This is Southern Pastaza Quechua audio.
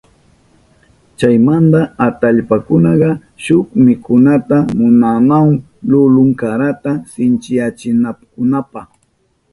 Chaymanta atallpakunaka shuk mikunata munanahun lulun karata sinchiyachinankunapa.